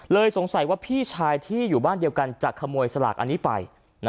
สงสัยว่าพี่ชายที่อยู่บ้านเดียวกันจะขโมยสลากอันนี้ไป